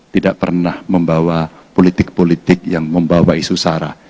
tidak pernah membawa politik politik yang membawa isu sara